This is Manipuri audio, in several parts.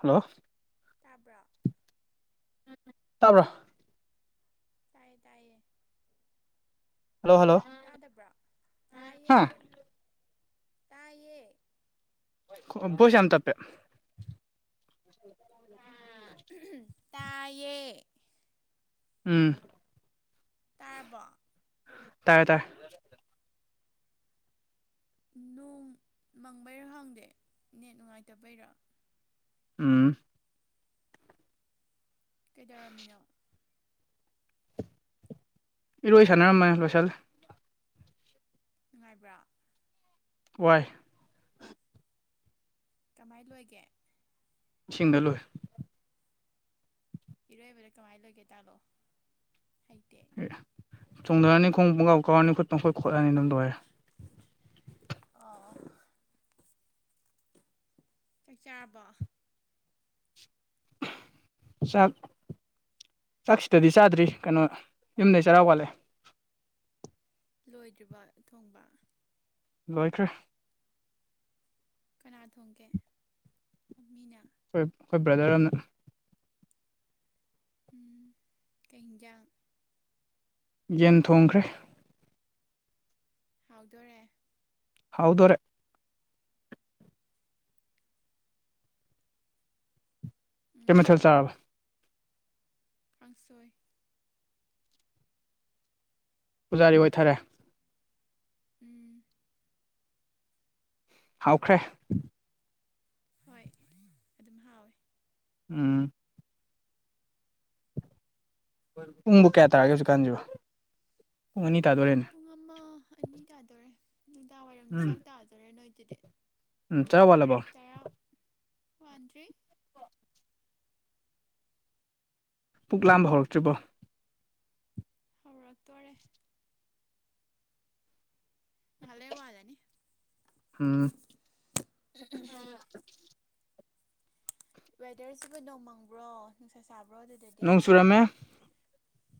ꯍꯜꯂꯣ ꯇꯥꯕ꯭ꯔ [unintelligible] ꯇꯥꯏꯌꯦ ꯇꯥꯏꯌꯦ ꯍꯜꯂꯣ ꯍꯜꯂꯣ ꯇꯥꯗꯕ꯭ꯔꯥ ꯇꯥꯏꯌꯦ ꯍꯥ ꯇꯥꯏꯌꯦ ꯕꯣꯏꯁ ꯌꯥꯝ ꯇꯞꯄꯦ ꯇꯥꯏꯌꯦ ꯎꯝ ꯇꯥꯔꯕꯣ ꯇꯥꯔꯦ ꯇꯥꯔꯦ ꯅꯣꯡ ꯃꯪꯕꯩꯔꯥ ꯈꯪꯗꯦ ꯅꯦꯠ ꯅꯨꯡꯉꯥꯏꯇꯕꯩꯔꯥ ꯎꯝ ꯀꯩꯗꯧꯔꯝꯃꯤꯅꯣ ꯏꯔꯣꯏ ꯁꯥꯟꯅꯔꯝꯕꯅꯦ ꯂꯣꯏꯁꯜꯂꯦ ꯅꯨꯡꯉꯥꯏꯕ꯭ꯔꯥ ꯋꯥꯏ ꯀꯃꯥꯏ ꯂꯣꯏꯒꯦ ꯏꯁꯤꯡꯗ ꯂꯣꯏ ꯏꯔꯣꯏꯕꯗ ꯀꯃꯥꯏ ꯂꯣꯏꯒꯦ ꯇꯥꯛꯂꯛꯑꯣ ꯑꯦ ꯑꯦ ꯆꯣꯡꯗꯔꯅꯤ ꯈꯣꯡ ꯄꯨꯡꯀꯥꯎ ꯀꯥꯎꯔꯅꯤ ꯈꯨꯠ ꯄꯪꯈꯣꯠ ꯈꯣꯠꯂꯅꯤ ꯑꯗꯨꯝ ꯈꯣꯠꯂꯅꯤ ꯑꯗꯨꯝ ꯂꯣꯏꯔꯦ ꯑꯣ ꯆꯥꯛ ꯆꯥꯥꯔꯕꯣ ꯆꯠ ꯆꯥꯛ ꯁꯤꯗꯗꯤ ꯆꯥꯗ꯭ꯔꯤ ꯀꯩꯅꯣ ꯌꯨꯝꯗꯩ ꯆꯔꯥ ꯋꯥꯠꯂꯛꯑꯦ ꯂꯣꯏꯗ꯭ꯔꯤꯕ ꯊꯣꯡꯕ ꯂꯣꯏꯈ꯭ꯔꯦ ꯀꯅꯥ ꯊꯣꯡꯒꯦ ꯃꯤꯅ ꯍꯣꯏ ꯑꯩꯈꯣꯏ ꯕ꯭ꯔꯗꯔꯅ ꯎꯝ ꯀꯦꯟꯖꯥꯡ ꯌꯦꯟ ꯊꯣꯡꯈ꯭ꯔꯦ ꯍꯥꯎꯗꯣꯣꯔꯦ ꯍꯗꯣꯔꯦ ꯀꯃꯤ ꯊꯜ ꯆꯕ ꯄꯪꯁꯣꯏ ꯄꯨꯖꯥꯔꯤ ꯑꯣꯏꯊꯔꯦ ꯎꯝ ꯍꯥꯎꯈ꯭ꯔꯦ ꯍꯣꯏ ꯑꯗꯨꯝ ꯍꯥꯎꯋꯦ ꯎꯝ ꯄꯨꯡꯕꯨ ꯀꯌꯥ ꯇꯥꯔꯒꯦ ꯍꯧꯁꯨꯛ ꯀꯥꯟꯁꯨꯅꯤ ꯄꯨꯡ ꯑꯃ ꯑꯅꯤ ꯇꯥꯗꯣꯔꯦ ꯅꯨꯅꯨꯡꯗꯥꯡ ꯋꯥꯏꯔꯝꯒꯤ ꯎꯝ ꯆꯥꯡ ꯇꯥꯗꯣꯔꯦ ꯅꯣꯏꯗꯨꯗꯤ ꯎꯝ ꯆꯔꯥ ꯋꯥꯠꯂꯕꯣ ꯇꯔꯥ ꯍꯥꯟꯖꯤ ꯄꯨꯛ ꯂꯥꯝꯕ ꯍꯧꯔꯛꯇ꯭ꯔꯤꯕ꯭ꯔꯣ ꯍꯔ ꯇꯔꯦ ꯍꯂ ꯋꯥꯖꯅꯤ ꯎꯝ ꯋꯦꯗꯔꯁꯤꯕꯨ ꯅꯣꯡꯃꯪꯕ꯭ꯔꯣ ꯅꯨꯡꯁꯥ ꯁꯥꯕ꯭ꯔꯣ ꯑꯗꯨꯗꯗꯤ ꯅꯣꯡ ꯆꯨꯔꯝꯃꯦ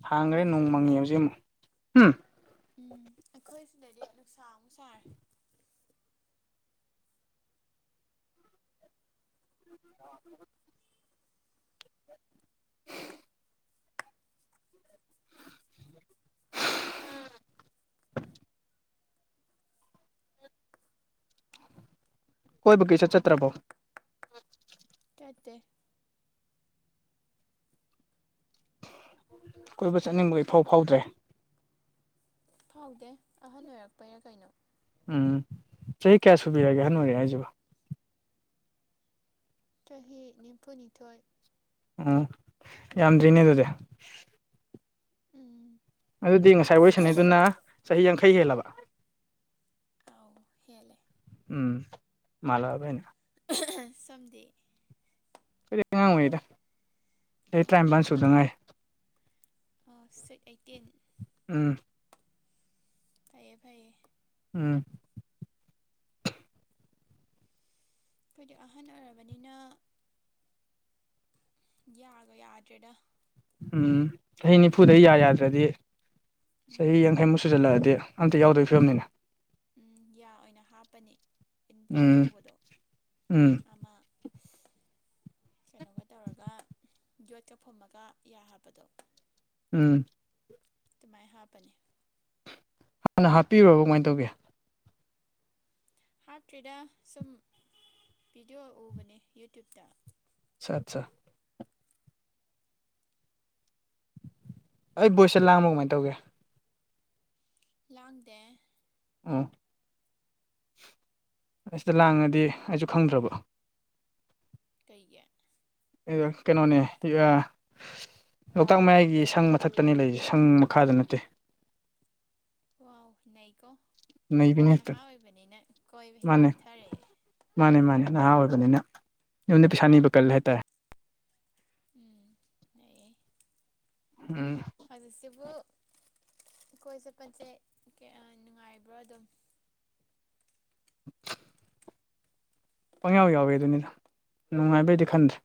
ꯍꯥꯡꯈ꯭ꯔꯦ ꯅꯣꯡ ꯃꯪꯉꯤ ꯍꯧꯖꯤꯛ ꯑꯃꯨꯛ ꯎꯝ ꯎꯝ ꯑꯩꯈꯣꯏ ꯁꯤꯗꯗꯤ ꯅꯨꯡꯁꯥ ꯑꯃꯨꯛ ꯁꯥꯔꯦ ꯑ [inaudible] ꯀꯣꯏ ꯀ ꯆ ꯆꯠꯇ꯭ꯔꯕꯥꯎ ꯇꯦ꯫ ꯀꯣꯏꯕ ꯆꯠꯅꯤꯡꯕꯒ ꯏꯐꯥꯎ ꯐꯥꯎꯗ꯭ꯔꯦ ꯐꯥꯎꯗꯦ ꯑꯍꯟ ꯑꯣꯏꯔꯛꯄꯩꯔꯥ ꯀꯩꯅꯣ ꯎꯝ ꯆꯍꯤ ꯀꯌꯥ ꯁꯨꯕꯤꯔꯒꯦ ꯑꯍ ꯍꯅꯨ ꯑꯣꯏꯔꯦ ꯍꯥꯏꯁꯤꯕꯣ ꯆꯍꯤ ꯅꯤꯐꯨꯅꯤꯊꯣꯏ ꯎꯝ ꯌꯥꯝꯗ꯭ꯔꯤꯅꯦ ꯑꯗꯨꯗꯤ ꯎꯝ ꯑꯗꯨꯗꯤ ꯉꯁꯥꯏ ꯋꯥꯔꯤꯁꯅꯤꯗꯨꯅ ꯆꯍꯤ ꯌꯥꯡꯈꯩ ꯍꯦꯜꯂꯕ ꯑꯥꯎ ꯍꯦ ꯂꯩꯦ ꯎꯝ ꯃꯂꯕꯅ ꯁꯝꯗꯤ ꯀꯔꯤ ꯑꯉꯥꯡꯉꯩꯗ ꯑ ꯇꯔꯥꯅꯤꯄꯜ ꯁꯨꯗ ꯉꯥꯏ ꯁꯤ ꯑꯩꯠꯇꯤꯟ ꯎꯝ ꯐꯩꯌꯦ ꯐꯩꯌꯦ ꯎꯝ ꯑꯩꯈꯣꯏꯗꯤ ꯑꯍꯟ ꯑꯣꯏꯔꯕꯅꯤꯅ ꯌꯥꯒ ꯌꯥꯔ ꯗꯥ ꯎꯝ ꯆꯍꯤ ꯅꯤꯐꯨꯗ ꯌꯥ ꯌꯥꯗ꯭ꯔꯗꯤ ꯆꯍꯤ ꯎꯝ ꯌꯥꯡꯈꯩꯃꯨꯛ ꯁꯨꯖꯜꯂꯛꯑꯗꯤ ꯑꯝꯇ ꯌꯥꯎꯗꯣꯏ ꯐꯤꯕꯝꯅꯤꯅ ꯎꯝ ꯌꯥ ꯑꯣꯏꯅ ꯍꯥꯞꯄꯅꯤ ꯏꯟꯄ꯭ꯂꯥꯟ ꯎꯝ ꯇꯧꯕꯗꯣ ꯎꯝ ꯑꯃ ꯀꯩꯅꯣꯒ ꯇꯧꯔꯒ ꯌꯣꯠꯀ ꯐꯨꯝꯃꯒ ꯌꯥ ꯍꯥꯞꯄꯗꯣ ꯎꯝ ꯑꯗꯨꯃꯥꯏꯅ ꯍꯥꯞꯄꯅꯤ ꯍꯥꯟꯅ ꯍꯥꯞꯄꯤꯔꯣꯕ ꯀꯃꯥꯏꯅ ꯇꯧꯒꯦ ꯍꯥꯞꯇ꯭ꯔꯤꯗ ꯁꯨꯝ ꯚꯤꯗꯤꯑꯣ ꯎꯕꯅꯦ ꯌꯨꯇ꯭ꯌꯨꯨꯞꯇ ꯑ ꯑꯠꯆꯥ ꯑꯩ ꯕꯣꯏꯁꯠ ꯂꯥꯡꯕ ꯀꯃꯥꯏꯅ ꯇꯧꯒꯦ ꯂꯥꯡꯗꯦ ꯑꯣ ꯑꯁꯤꯗ ꯂꯥꯡꯉꯗꯤ ꯑꯩꯁꯨ ꯈꯪꯗ꯭ꯔꯕ ꯀꯩꯒ ꯀꯩꯅꯣꯅꯦ ꯂꯣꯛꯇꯥꯛ ꯃꯌꯥꯏꯒꯤ ꯁꯪ ꯃꯊꯛꯇꯅꯤ ꯂꯩꯔꯤꯁꯦ ꯁꯪ ꯃꯈꯥꯗ ꯅꯠꯇꯦ ꯋꯥ ꯅ ꯀꯣ ꯅꯩꯕꯤꯅꯤ ꯍꯦꯛꯇ ꯅꯍꯥ ꯑꯣꯏꯕꯅꯤꯅ ꯀꯣꯏꯕ ꯍꯦꯛꯇ ꯃꯥꯅꯦ ꯆꯠꯊꯔꯛꯑꯦ ꯃꯥꯅꯦ ꯃꯥꯅꯦ ꯅꯍꯥ ꯑꯣꯏꯕꯅꯤꯅ ꯌꯨꯝꯗ ꯄꯩꯁꯥ ꯅꯤꯕ ꯀꯜꯂ ꯍꯥꯏꯇꯥꯔꯦ ꯎꯝ ꯌꯥꯏꯌꯦ ꯎꯝ ꯍꯣꯏ ꯁꯁꯤꯕꯨ ꯑꯩꯈꯣꯏ ꯆꯦꯠꯄꯁꯦ ꯀꯌꯥ ꯅꯨꯡꯉꯥꯏꯕ꯭ꯔꯣ ꯑꯗꯨꯝ [inaudible] ꯄꯪꯌꯥꯎ ꯌꯥꯎꯋꯦ ꯑꯗꯨꯅꯤꯗ ꯅꯨꯡꯉꯥꯏꯕꯩꯗꯤ ꯈꯟꯗ꯭ꯔꯦ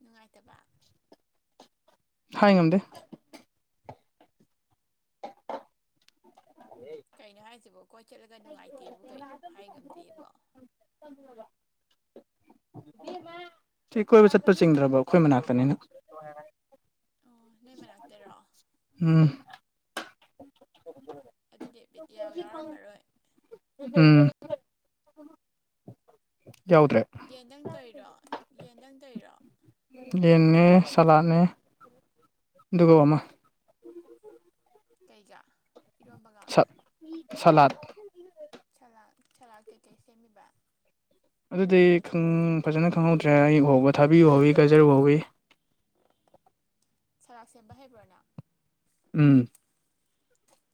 ꯅꯨꯡꯉꯥꯏꯇꯕ ꯊ ꯉꯗ ꯀꯩꯅꯣ ꯍꯥꯏꯁꯤꯕꯣ ꯀꯣꯏ ꯆꯠꯂꯒ ꯅꯨꯡꯉꯥꯏꯇꯦꯕ ꯀꯩꯅꯣ ꯍꯥꯏ ꯉꯝꯗꯦꯕ ꯁꯤ ꯀꯣꯏꯕ ꯆꯠꯄ ꯆꯤꯡꯗ꯭ꯔꯕꯣ ꯑꯩꯈꯣꯏ ꯃꯅꯥꯛꯇꯅꯤꯅ ꯑꯣ ꯅ ꯃꯅꯥꯛꯇꯦꯔꯣ ꯎꯝ ꯑꯗꯨ ꯎꯝ ꯌꯥꯎꯗ꯭ꯔꯦ ꯌꯦꯟꯗꯪ ꯇꯩꯔꯣ ꯌꯦꯟꯗꯪ ꯇꯩꯔꯣ ꯌꯦꯟꯅꯦ ꯁꯥꯂꯠꯅꯦ ꯑꯗꯨꯒ ꯑꯃ ꯀꯩꯒ ꯏꯔꯣꯝꯕꯒꯥ ꯁ ꯁꯂꯥꯠ ꯆꯂꯥꯛ ꯀꯩꯀꯩ ꯁꯦꯝꯃꯤꯕ ꯑꯗꯨꯗꯤ ꯐꯖꯅ ꯈꯪꯍꯧꯗ꯭ꯔꯦ ꯑꯌꯨ ꯍꯧꯕ ꯊꯥꯕꯤꯕ ꯍꯧꯋꯤ ꯀꯥꯏꯖꯔꯨ ꯍꯧꯏꯤ ꯁꯔꯥꯛ ꯁꯦꯝꯕ ꯍꯩꯕ꯭ꯔꯥꯅ ꯎꯝ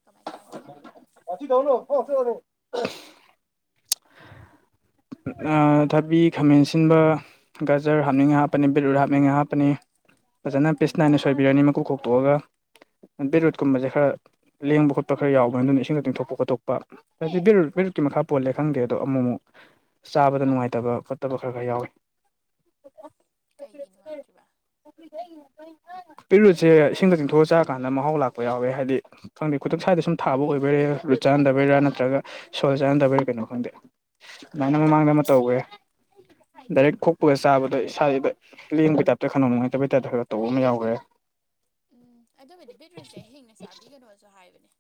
ꯀꯃꯥꯏ ꯀꯃꯥꯏ ꯁꯦꯝꯃꯤꯕ ꯊꯧꯅꯣ ꯐꯦ ꯊꯕꯤ ꯈꯥꯃꯦꯟ ꯁꯤꯟꯕ ꯒꯖꯔ ꯍꯥꯞꯅꯤꯡꯉ ꯍꯥꯞꯄꯅꯤ ꯕꯦꯠꯔꯋꯨꯠ ꯍꯥꯞꯅꯤꯡꯉꯥꯏ ꯍꯥꯞꯄꯅꯤ ꯐꯖꯅ ꯄꯤꯁ ꯅꯥꯏꯅ ꯁꯣꯏꯕꯤꯔꯅꯤ ꯃꯀꯨ ꯀꯣꯛꯇꯣꯛꯑꯒ ꯕꯤꯠꯔꯨꯠꯀꯨꯝꯕꯁꯦ ꯈꯔ ꯂꯦꯡꯕ ꯈꯣꯠꯄ ꯈꯔ ꯌꯥꯎꯕꯅꯤ ꯑꯗꯨꯅ ꯏꯁꯤꯡꯗꯛꯇ ꯇꯤꯡꯊꯣꯛꯄ ꯈꯣꯠꯇꯣꯛꯄ ꯍꯥꯏꯗꯤ ꯕꯤꯦꯔꯨꯠ ꯕꯤꯔꯨꯠꯀꯤ ꯃꯈꯥꯣꯜꯂꯦ ꯈꯪꯗꯦ ꯑꯣ ꯑꯃꯨꯛ ꯑꯃꯨꯛ [inaudible] ꯆꯥꯕꯗ ꯅꯨꯡꯉꯥꯏꯇꯕ ꯈꯣꯠꯇꯕ ꯈꯔ ꯈꯔ ꯌꯥꯎꯋꯤ ꯀꯩꯒꯤ ꯅꯨꯡꯉꯥꯏ꯭ꯔꯤꯕ [inaudible] ꯕꯤꯠꯔꯨꯠꯁꯦ ꯏꯁꯤꯡꯗ ꯇ ꯆꯤꯡꯊꯣꯛꯑ ꯆꯥꯔ ꯀꯥꯟꯗ ꯃꯍꯥꯎ ꯂꯥꯛꯄ ꯌꯥꯎꯋꯦ ꯍꯥꯏꯗꯤ ꯈꯪꯗꯦ ꯈꯨꯗ ꯁ꯭ꯋꯥꯏꯗ ꯁꯨꯝ ꯊꯥꯕ ꯑꯣꯏꯕꯔꯦꯦ ꯆꯥꯅꯗꯕꯩꯔꯥ ꯅꯠꯇ꯭ꯔꯒ ꯁꯣꯜ ꯆꯥꯅꯗꯕꯩꯔꯥ ꯀꯩꯅꯣ ꯈꯪꯗꯦ ꯑꯗꯨꯃꯥꯏꯅ ꯃꯃꯥꯡꯗ ꯑꯃ ꯇꯧꯈꯦ ꯎꯝ ꯗꯥꯏꯔꯦꯛ ꯈꯣꯛꯄꯒ ꯆꯥꯕꯗꯣ ꯑꯗ ꯏꯁꯥꯁꯤꯗ ꯂꯦꯡꯕꯩ ꯇꯥꯏꯞꯇ ꯈꯧ ꯅꯨꯡꯉꯥꯏꯇꯕꯩ ꯇꯥꯏꯞꯇ ꯈꯔ ꯇꯧꯕ ꯑꯃ ꯌꯥꯎꯈ꯭ꯔꯦ ꯑꯘꯨꯒ ꯑꯗꯨꯕꯨꯗꯤ ꯕꯦꯠꯔꯨꯁꯦ ꯍꯦꯡꯅ ꯆꯥꯕꯤꯒꯅꯣꯁꯨ ꯍꯥꯏꯕꯅꯦ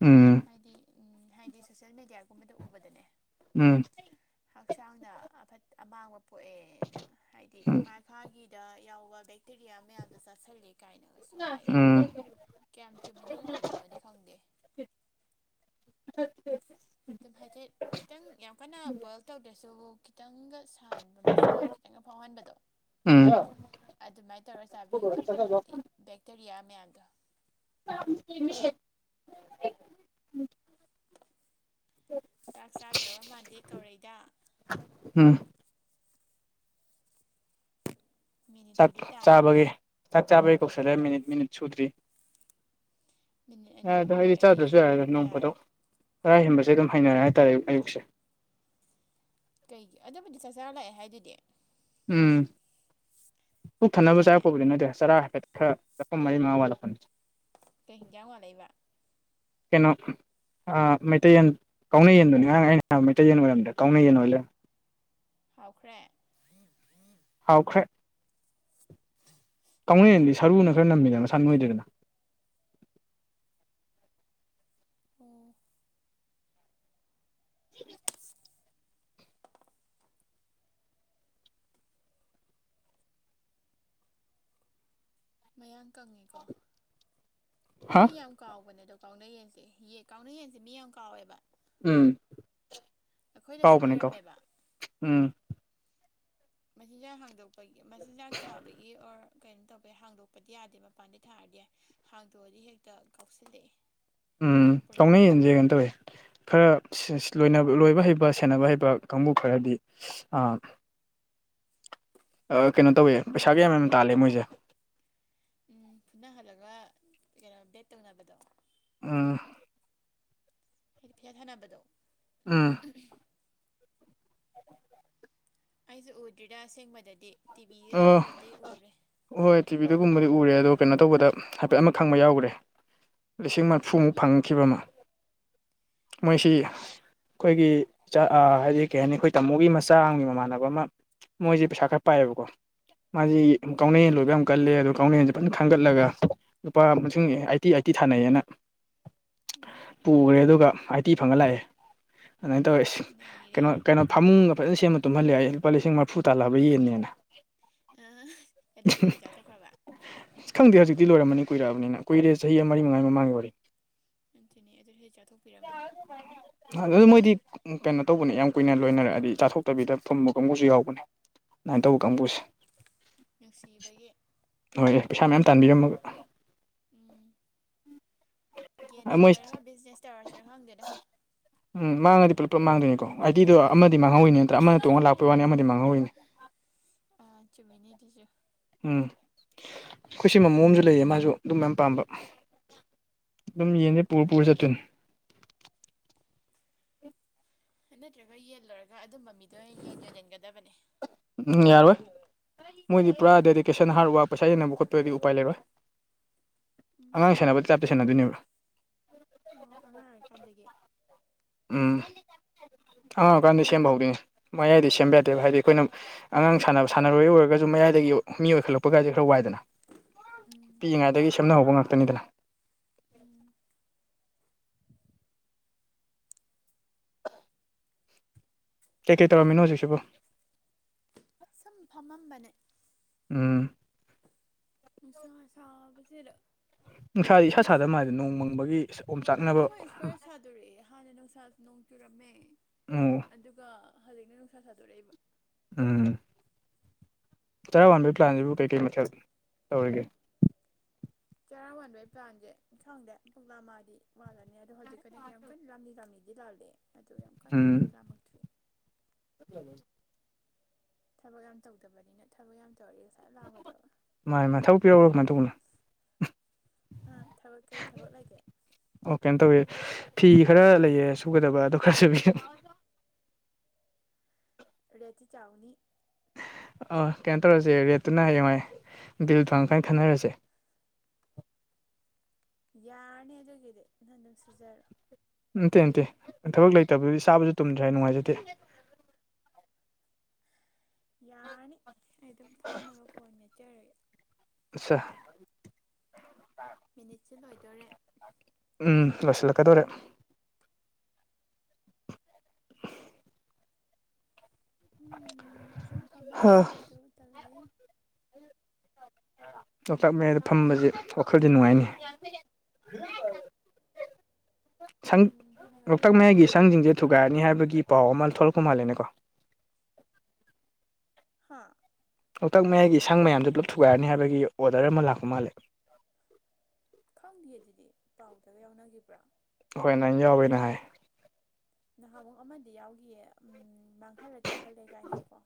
ꯎꯝ ꯍꯥꯏꯗꯤ ꯎꯝ ꯍꯥꯏꯗꯤ ꯁꯣꯁꯦꯜ ꯃꯦꯗꯤꯌꯥꯒꯨꯝꯕꯗ ꯎꯕꯗꯅꯦ ꯎꯝ ꯍꯛꯆꯥꯡꯗ ꯑꯃꯥꯡꯕ ꯄꯣꯛꯑꯦꯅ ꯍꯥꯏꯗꯤ ꯎꯝ ꯃꯥꯥꯒꯤ ꯗ ꯌꯥꯎꯕ ꯕꯦꯛꯇꯦꯔꯤꯌꯥ ꯃꯌꯥꯝꯗꯣ ꯆꯥꯥꯁꯂꯦ ꯀꯥꯏꯅꯒꯁꯨ ꯍꯥꯏ ꯎꯝ ꯀꯌꯥꯝ ꯆꯨꯝꯃꯤꯅꯣ ꯂꯥꯜꯂꯤꯅꯣꯗꯤ ꯈꯪꯗꯦ ꯑꯗꯨꯝ ꯍꯥꯏꯖꯩ ꯈꯤꯇꯪ ꯌꯥꯝ ꯀꯟꯅ ꯕꯣꯏꯜ ꯇꯧꯗ꯭ꯔꯁꯨ ꯈꯤꯇꯪꯒ ꯁꯥꯍꯟꯥꯟꯕ ꯃꯩꯁꯥ ꯈꯤꯇꯪꯒ ꯐꯥꯎꯍꯟꯕꯗꯣ ꯎꯝ ꯑꯗꯨꯃꯥꯏꯅ ꯇꯧꯔꯒ ꯆꯥꯕꯤꯌꯣꯅ ꯍꯥꯏꯗꯤ ꯕꯦꯛꯇꯔꯤꯌꯥ ꯃꯌꯥꯝꯗꯣ [unintelligible] ꯆꯥꯛ ꯆꯥꯗ꯭ꯔꯕ ꯃꯥꯟꯗꯦ ꯀꯧꯔꯩꯗ ꯎꯝ ꯆꯥꯛ ꯃꯤꯅꯤꯠꯄꯨꯗꯤ ꯇꯥꯗ꯭ꯔꯤ ꯆꯥꯕꯒꯤ ꯆꯥꯛ ꯆꯥꯕꯒꯤ ꯀꯧꯁꯜꯂꯦ ꯃꯤꯅꯤꯠ ꯃꯤꯅꯤꯠ ꯁꯨꯗ꯭ꯔꯤ ꯃꯤꯅꯤꯠ ꯌꯥ ꯑꯅꯤ ꯑꯗꯣ ꯑꯍꯨꯝ ꯑꯩꯗꯤ ꯂꯩꯔꯗꯤ ꯆꯥꯗ꯭ꯔꯁꯨ ꯌꯥꯔꯒ ꯅꯣꯡ ꯌꯥꯔꯅꯤ ꯐꯗꯣꯛ ꯆꯔꯥꯏ ꯍꯦꯟꯕꯁꯦ ꯑꯗꯨꯝ ꯍꯩꯅꯔꯦ ꯍꯥꯏꯇꯥꯔꯦ ꯑꯛ ꯑꯌꯨꯛꯁꯦ ꯀꯩꯒꯤ ꯑꯗꯨꯕꯨꯗꯤ ꯆꯥꯛ ꯆꯔ ꯂꯥꯛꯑꯦ ꯍꯥꯏꯗꯨꯗꯤ ꯎꯝ ꯄꯨꯛ ꯊꯟꯅꯅꯕ ꯍꯥꯏꯈꯤꯗꯥꯏꯅꯦ ꯆꯥꯔꯛꯄꯕꯨꯗꯤ ꯅꯠꯇꯦ ꯆꯔꯥ ꯍꯥꯏꯐꯦꯠ ꯈꯔ ꯃꯅꯤ ꯃꯥ ꯋꯥꯂ ꯅꯤ ꯀꯩ ꯍꯤꯡ ꯀ꯭ꯌꯥ ꯋꯥꯥꯜꯂꯩꯕ ꯀꯅꯣ ꯃꯩꯇꯩꯌꯦꯟ ꯀꯥꯎꯅ ꯌꯦꯟꯗꯨꯅꯤ ꯉꯔꯥꯡ ꯑꯩꯅ ꯍꯥꯏ ꯃꯩꯇꯩ ꯌꯦꯟ ꯑꯣꯏꯔꯝꯗ ꯀꯥꯎꯅ ꯌꯦꯟ ꯑꯣꯏꯂ ꯍꯥꯎꯈ꯭ꯔꯦ ꯍꯥꯎꯈ꯭ꯔꯦ ꯀꯥꯎꯅꯦꯟꯗꯤ ꯎꯝ ꯁꯔꯨꯅ ꯈꯔ ꯅꯝꯃꯤꯗ ꯃꯁꯥ ꯅꯣꯏꯗ꯭ꯔꯗꯅ [inaudible] [inaudible] ꯃꯌꯥꯝ ꯀꯪꯉꯤꯀꯣ ꯍꯥ ꯃꯤ ꯌꯥꯝ ꯀꯥꯎꯕꯅꯦ ꯗꯣꯛ ꯀꯥꯎꯅ ꯌꯦꯟꯁꯦ ꯌꯦ ꯀꯥꯎꯅ ꯌꯦꯟꯁꯦ ꯃꯤ ꯌꯥꯝ ꯀꯥꯎꯋꯦꯕ ꯎꯝ ꯑꯩꯈꯣꯏꯗꯁꯨ ꯀꯥꯎꯕꯅꯦ ꯀꯣ ꯂꯣꯏꯔꯝꯃꯦꯕ ꯎꯝ ꯃꯆꯤꯟꯖꯥꯛ ꯍꯥꯡꯗꯣꯛꯄꯒꯤ ꯃꯆꯤꯟꯖꯥꯛ ꯊꯥꯕꯒꯤ ꯑꯣꯔ ꯀꯩꯅꯣ ꯇꯧꯕꯒꯤ ꯍꯥꯡꯗꯣꯛꯄꯗꯤ ꯌꯥꯗꯦ ꯃꯄꯥꯟꯗꯤ ꯊꯥꯔ ꯍꯥꯡꯇꯣꯛꯑꯗꯤ ꯍꯦꯛꯇ ꯀꯥꯎꯁꯤꯜꯂꯛꯏꯦ ꯎꯝ ꯀꯥꯎꯅꯩ ꯌꯦꯟꯁꯦ ꯀꯩꯅꯣ ꯇꯧꯋꯦ ꯈꯔ ꯂꯣꯏꯕ ꯍꯩꯕ ꯁꯦꯟꯅꯕ ꯍꯩꯕ ꯀꯥꯡꯕꯨ ꯈꯔꯗꯤ ꯑ ꯀꯩꯅꯣ ꯇꯧꯋꯦ ꯄꯩꯁꯥ ꯀ ꯌꯥꯝ ꯌꯥꯝ ꯇꯥꯜꯂꯦ ꯃꯣꯏꯁꯦ ꯅꯩꯍꯜꯂꯒ ꯀꯩꯅꯣ ꯕꯦꯠ ꯇꯧꯅꯕꯗꯣ ꯑꯎ ꯍꯥꯏꯗꯤ ꯐꯤꯌꯥꯠ ꯊꯥꯅꯕꯗꯣ ꯑꯎ ꯑꯩꯁꯨ ꯎꯗ꯭ꯔꯤꯗ ꯑꯁꯦꯡꯕꯗꯗꯤ ꯑꯣ ꯇꯤꯚꯤꯗꯒꯨꯝꯕꯗꯤ ꯎꯔꯦ ꯍꯣꯏ ꯇꯤꯚꯤꯗꯒꯨꯝꯕꯗꯤ ꯎꯔꯦ ꯑꯗꯣ ꯀꯩꯅꯣ ꯇꯧꯕꯗ ꯍꯥꯏꯐꯦꯠ ꯑꯃ ꯈꯪꯕ ꯌꯥꯎꯈ꯭ꯔꯦ ꯂꯤꯁꯤꯡ ꯃꯔꯐꯨꯃꯨꯛ ꯐꯪꯈꯤꯕ ꯑꯃ ꯃꯣꯏꯁꯤ ꯅꯪ ꯊꯥꯏꯔꯣ ꯑꯩꯈꯣꯏꯒꯤ ꯍꯥꯏꯗꯤ ꯀꯩ ꯍꯥꯏꯅꯤ ꯑꯩꯈꯣꯏ ꯇꯥꯃꯣꯒꯤ ꯃꯆꯥꯒꯤ ꯃꯃꯥꯟꯅꯕ ꯑꯃ ꯃꯣꯏꯁꯦ ꯄꯩꯁꯥ ꯈꯔ ꯎꯝ ꯄꯥꯏꯑꯌꯦꯕꯀꯣ ꯃꯥ ꯎꯝ ꯀꯥꯎꯅ ꯌꯦꯂꯣꯏ ꯌꯥꯝ ꯀꯜꯂꯦ ꯑꯗꯣ ꯀꯅꯦꯟꯁꯦ ꯐꯖꯅ ꯈꯥꯡꯒꯠꯂꯒ ꯂꯨꯄꯥ ꯑꯃꯁꯨꯡ ꯑꯥꯏꯠꯇꯤ ꯑꯥꯏꯠꯇꯤ ꯊꯥꯅꯩꯌꯦꯅ ꯎꯝ ꯄꯨꯈ꯭ꯔꯦ ꯑꯗꯨꯒ ꯑꯥꯏ ꯇꯤ ꯐꯪꯉ ꯂꯥꯛꯑꯦ ꯑꯗꯨꯃꯥꯏꯅ ꯇꯧꯋꯦ ꯀꯩꯅꯣ ꯅꯩꯔꯦ ꯀꯩꯅꯣ ꯐꯃꯨꯡꯒ ꯐꯖꯅ ꯁꯦꯝꯃ ꯇꯨꯝꯍꯜꯂꯦ ꯑꯩ ꯂꯨꯄꯥ ꯂꯤꯁꯤꯡ ꯃꯔꯐꯨ ꯇꯥꯜꯂꯑꯕ ꯌꯦꯟꯟꯅꯦꯅ ꯑ ꯑꯗꯨꯒ ꯍꯧꯖꯤꯛ ꯆꯥꯊꯣꯛꯈ꯭ꯔꯕ ꯈꯪꯗꯦ ꯍꯧꯖꯤꯛꯇꯤ ꯂꯣꯏꯔꯝꯃꯅꯤ ꯀꯨꯏꯔꯛꯑꯕꯅꯤꯅ ꯀꯨꯏꯔꯦ ꯆꯍꯤ ꯃꯔꯤ ꯃꯉꯥꯒꯤ ꯃꯃꯥꯡꯒꯤ ꯋꯥꯔꯤ ꯑꯗꯨꯅꯦ ꯑꯗꯨ ꯍꯧꯖꯤꯛ ꯆꯥꯊꯣꯛꯄꯤꯔꯝꯃꯅꯤ ꯑꯗꯨ ꯃꯣꯏꯗꯤ ꯀꯩꯅꯣ ꯇꯧꯕꯅꯦ ꯌꯥꯝ ꯀꯨꯏꯅ ꯂꯣꯏꯅꯔ ꯑꯗꯤ ꯆꯥꯊꯣꯛꯇꯕꯤꯗ ꯐꯝꯕ ꯀꯥꯡꯕꯨꯁꯨ ꯌꯥꯎꯕꯅꯦ ꯑꯗꯨꯃꯥꯏꯅ ꯇꯧꯕ ꯎꯝ ꯀꯥꯡꯕꯨꯁꯦ ꯅꯨꯡꯁꯤꯕꯒꯤ ꯍꯣꯏ ꯄꯩꯁꯥ ꯃꯌꯥꯝ ꯇꯥꯟꯕꯤꯔꯝꯃꯒ ꯒꯟ ꯃꯣꯏ ꯂꯣꯏꯔꯒ ꯕꯤꯖꯤꯅꯦꯁ ꯇꯧꯔꯁꯤꯔ ꯈꯪꯗꯦꯅ ꯎꯝ ꯃꯥꯡꯉꯗꯤ ꯄꯨꯂꯞ ꯄꯨꯂꯞ ꯃꯥꯡꯗꯣꯏꯅꯤꯀꯣ ꯍꯤꯗꯣ ꯑꯃꯗꯤ ꯃꯥꯡꯍꯧꯋꯤꯅꯦ ꯅꯠꯇ꯭ꯔ ꯑꯃꯅ ꯇꯣꯡꯉ ꯂꯥꯛꯄ ꯋꯥꯅꯤ ꯑꯃꯗꯤ ꯃꯥꯡꯍꯧꯋꯤꯅꯤ ꯑꯥ ꯆꯨꯝꯃꯤꯅꯦ ꯑꯗꯨꯁꯨ ꯎꯝ ꯑꯩꯈꯣꯏ ꯁꯤ ꯃꯃꯣ ꯑꯃꯁꯨ ꯂꯩꯌꯦ ꯃꯥꯁꯨ ꯑꯗꯨꯝ ꯃꯌꯥꯝ ꯄꯥꯝꯕ ꯑꯗꯨꯝ ꯌꯦꯡꯅꯤ ꯄꯨꯔ ꯄꯨꯔ ꯆꯠꯇꯣꯏꯅꯤ ꯅꯠꯇ꯭ꯔꯒ ꯌꯦꯜꯂꯨꯔꯒ ꯑꯗꯨꯝꯕ ꯃꯤꯗꯣ ꯌꯦꯅ ꯂꯟꯒꯗꯕꯅꯦ ꯎꯝ ꯌꯥꯔꯑꯣꯏ ꯃꯣꯏꯗꯤ ꯄꯨꯔꯥ ꯗꯦꯗꯤꯀꯦꯁꯟ ꯍꯥꯔꯠ ꯋꯥꯛ ꯄꯩꯁꯥ ꯌꯦꯟꯅꯕ ꯈꯣꯠꯄꯗꯤ ꯎꯄꯥꯏ ꯂꯩꯔꯣꯏ ꯑꯉꯥꯡ ꯎꯝ ꯁꯦꯅꯕꯗ ꯇꯥꯞꯇ ꯁꯦꯟꯅꯗꯣꯏꯅꯦꯕ꯭ꯔꯥ ꯑꯣ ꯑꯉꯥꯡ ꯑꯣꯏꯔꯤꯀꯥꯟꯗꯒꯤ ꯎꯝ ꯑꯉꯥꯡꯀꯥꯟꯗ ꯁꯦꯝꯕ ꯍꯧꯗꯣꯏꯅꯦ ꯃꯌꯥꯏꯗꯤ ꯁꯦꯝꯕ ꯌꯥꯗꯦꯕ ꯍꯥꯏꯗꯤ ꯑꯩꯈꯣꯏꯅ ꯑꯉꯥꯡ ꯁꯥꯟꯅꯕ ꯁꯥꯟꯅꯔꯣꯏ ꯑꯣꯏꯔꯒꯁꯨꯨꯝ ꯃꯌꯥꯏꯗꯒꯤ ꯃꯤ ꯑꯣꯏꯈꯠꯂꯛꯄꯒꯒꯥꯁꯦ ꯈꯔ ꯋꯥꯏꯗꯅ [unintelligible] ꯄꯤꯛꯏꯉꯩꯗꯒꯤ ꯁꯦꯝꯅꯍꯧꯕ ꯉꯥꯛꯇꯅꯤꯗꯅ ꯎꯝ ꯀꯩꯀꯩ ꯇꯧꯔꯝꯃꯤꯅꯣ ꯍꯧꯖꯤꯛꯁꯤꯕꯨ ꯁꯨꯝ ꯐꯝꯃꯝꯕꯅꯦ ꯎꯝ ꯁꯥꯥ ꯁꯥꯥꯕ ꯐꯔ ꯅꯨꯡꯁꯥꯗꯤ ꯏꯁꯥ ꯁꯥꯥꯗ ꯃꯥꯗꯅ ꯅꯣꯡ ꯃꯪꯕꯒꯤ ꯑꯣꯝ ꯆꯥꯛꯅꯕ ꯑꯩꯈꯣꯏ ꯈꯔ ꯁꯥꯗꯣꯔꯛꯑꯦ ꯍꯥꯟꯅ ꯅꯨꯡꯁꯥ ꯅꯣꯡ ꯆꯨꯔꯝꯃꯦ ꯎꯝ ꯑꯗꯨꯒ ꯍꯧꯖꯤꯛꯅ ꯅꯨꯡꯁꯥ ꯁꯥꯗꯣꯔꯛꯏꯕ ꯎꯝ ꯆꯔꯥ ꯍꯕꯒꯤ ꯄ꯭ꯂꯥꯟꯁꯤꯕꯨ ꯀꯩꯀꯩ ꯃꯊꯦꯜ ꯇꯧꯔꯤꯒꯦ ꯆꯔꯥ ꯃꯥꯟꯕ ꯑꯩ ꯄ꯭ꯂꯥꯟꯁꯦ ꯈꯪꯗꯦ ꯄꯨꯛꯅꯥ ꯃꯥꯗꯤ ꯃꯥꯜꯂꯅꯤ ꯑꯗꯣ ꯍꯧꯖꯤꯛ ꯀꯩꯅ ꯌꯥꯝ ꯀꯟꯅ ꯂꯥꯗꯤ ꯆꯥꯝꯃꯤꯗꯤ ꯂꯥꯜꯂꯦ ꯑꯗꯣ ꯌꯥꯝ ꯀꯥꯟꯅꯗꯤ ꯎꯝ ꯂꯥꯝꯃꯛꯇ꯭ꯔꯔꯤ ꯊꯕꯛ ꯌꯥꯝ ꯇꯧꯗꯕꯅꯤꯅ ꯊꯕꯛ ꯌꯥꯝ ꯇꯧꯔꯗꯤ ꯉꯁꯥꯏ ꯂꯥꯝꯒꯗꯕ ꯃꯥꯥꯏ ꯃꯥ ꯊꯕꯛ ꯄꯤ ꯌꯥꯎꯔꯕꯅ ꯇꯧꯕꯅ ꯑꯥ ꯊꯕꯛ ꯀꯩ ꯊꯕꯛ ꯂꯩꯒꯦ ꯑꯣ ꯀꯩꯅꯣ ꯇꯧ ꯐꯤ ꯈꯔ ꯂꯩꯌꯦ ꯁꯨꯒꯗꯕ ꯑꯗꯣ ꯈꯔꯁꯨꯨꯕꯤ ꯔꯇꯦꯇꯤ ꯆꯥꯎꯅꯤ ꯀꯩꯅꯣ ꯇꯧꯔꯁꯦ ꯔꯦꯠꯇꯨꯅ ꯍꯌꯦꯡꯋꯥꯥꯏ ꯕꯤꯜ ꯐꯪ ꯀꯥꯏꯅ ꯈꯟꯅꯔꯁꯦ [unintelligible] ꯌꯥꯔꯅꯤ ꯑꯗꯨꯒꯤꯗꯤ ꯅꯍꯪ ꯑꯗꯨꯝ ꯁꯤꯖꯔꯣ ꯅꯇꯦ ꯅꯇꯦ ꯊꯕꯛ ꯂꯩꯇꯕꯗꯨꯗꯤ ꯆꯥꯕꯁꯨ ꯇꯨꯝꯗ꯭ꯔꯦ ꯍꯥꯏ ꯅꯨꯡꯉꯥꯏꯖꯗꯦ ꯌꯥꯅꯤ ꯑꯩ ꯑꯗꯨꯝ ꯐꯝꯃꯒ ꯐꯣꯟ ꯅꯠꯆꯔꯒꯦ ꯑꯆꯥ ꯃꯤꯅꯤꯠꯁꯦ ꯂꯣꯏꯗꯣꯔꯦ ꯎꯝ ꯂꯣꯏꯁꯤꯜꯂꯛꯀꯗꯧꯔꯦ [unintelligible] ꯎꯝ ꯁꯨ ꯐ ꯑꯃ ꯍꯥ ꯂꯞꯁꯤꯗꯨ ꯇꯜꯂꯤ ꯋꯥꯀꯛ ꯃꯌꯥꯩꯗ ꯐꯁꯦ ꯋꯥꯈꯜꯗꯤ ꯅꯨꯡꯉꯥꯏꯅꯤ ꯁꯪ ꯎꯝ ꯅꯨꯡꯉꯥꯏꯗꯧ ꯂꯣꯛꯇꯥꯛ ꯃꯥꯜꯂꯦ ꯃꯌꯥꯏꯒꯤ ꯁꯪꯁꯤꯡꯁꯦ ꯊꯨꯒꯥꯏꯔꯅꯤ ꯍꯥꯏꯕꯒꯤ ꯄꯥꯎ ꯑꯃ ꯊꯔꯛꯄ ꯀꯨꯃꯂꯦꯅꯦ ꯀꯣ ꯍꯥ ꯂꯣꯛꯇꯥꯛ ꯃꯌꯥꯏꯒꯤ ꯏꯁꯥꯡ ꯃꯌꯥꯝꯗꯣ ꯄꯨꯂꯞ ꯊꯨꯒꯥꯏꯔꯅꯤ ꯍꯥꯏꯕꯒꯤ ꯑꯣꯗꯔ ꯑꯃ ꯂꯥꯛꯄ ꯃꯥꯜꯂꯦ ꯈꯪꯗꯦ ꯑꯗꯨꯗꯤ ꯄꯥꯎꯗꯒ ꯌꯥꯎꯅꯈꯤꯕ꯭ꯔꯥ ꯍꯣꯏ ꯅꯪ ꯌꯥꯎꯕꯅꯦ ꯍꯥꯏ ꯅꯍꯥꯟꯃꯨꯛ ꯑꯃꯗꯤ ꯌꯥꯎꯈꯤꯌꯦ ꯃꯥꯡꯍꯜꯂꯦ ꯇꯥꯛꯍꯜꯂꯦ ꯀꯥꯏꯅꯒꯤꯀꯣ